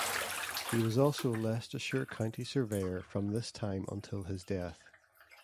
He was also Leicestershire County Surveyor from this time until his death.